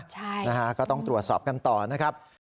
ใช่นะฮะก็ต้องตรวจสอบกันต่อนะครับ